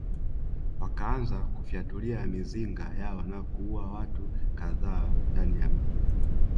Wakaanza kufyatulia mizinga yao na kuua watu kadhaa ndani ya mji